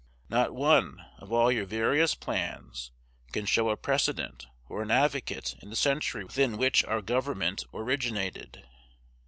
Not one of all your various plans can show a precedent or an advocate in the century within which our Government originated.